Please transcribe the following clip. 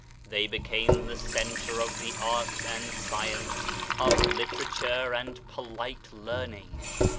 They became the centre of the arts and science, of literature and polite learning.